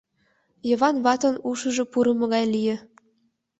Йыван ватын ушыжо пурымо гай лие.